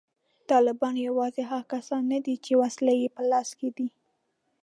طالبان یوازې هغه کسان نه دي چې وسله یې په لاس کې ده